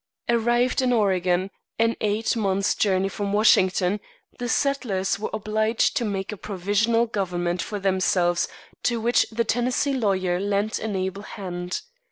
Arrived in Oregon, an eight months' journey from Washington, the settlers were obliged to make a provisional government for themselves, to which the Tennessee lawyer lent an able hand.